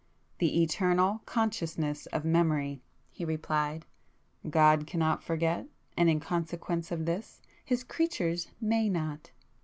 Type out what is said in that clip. "The eternal consciousness of Memory—" he replied—"God can not forget,—and in consequence of this, His creatures may not!"